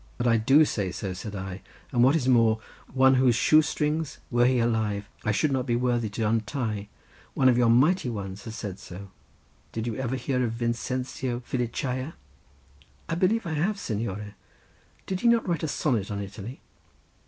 "But I do say so," said I, "and what is more, one whose shoe strings, were he alive, I should not be worthy to untie, one of your mighty ones, has said so. Did you ever hear of Vincenzio Filicaia?" "I believe I have, signore; did he not write a sonnet on Italy?"